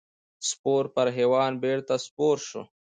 سپور پر حیوان بېرته سپور شو.